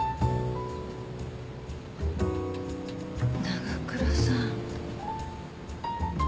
長倉さん。